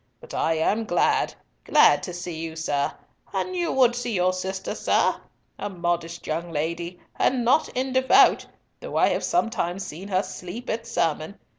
But I am glad, glad to see you, sir. And you would see your sister, sir? A modest young lady, and not indevout, though I have sometimes seen her sleep at sermon.